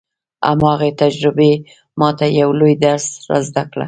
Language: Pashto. هماغې تجربې ما ته يو لوی درس را زده کړ.